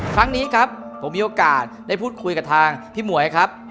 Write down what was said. ครั้งนี้ครับผมมีโอกาสได้พูดคุยกับทางพี่หมวยครับ